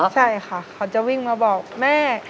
ใช่ค่ะเขาจะวิ่งมาบอกแม่